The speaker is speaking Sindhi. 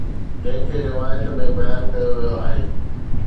جنهن کي روايت ۾ بيان ڪيو ويو آهي